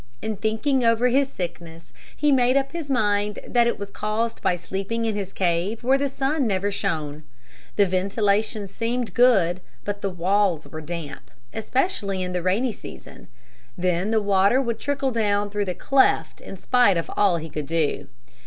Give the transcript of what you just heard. In thinking over his sickness he made up his mind that it was caused by sleeping in his cave where the sun never shone. The ventilation seemed good, but the walls were damp, especially in the rainy season. Then the water would trickle down through the cleft in spite of all he could do.